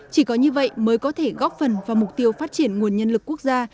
chỉ có như vậy mới có thể góp phần vào mục tiêu phát triển nguồn nhân lực quốc gia